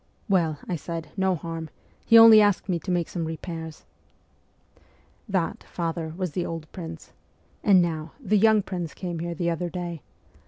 " Well," I said, "no harm ; he only asked me to make some repairs." That, father, was under the old prince. And now, the young prince came here the other day.